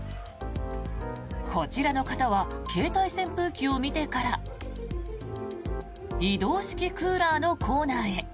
こちらの方は携帯扇風機を見てから移動式クーラーのコーナーへ。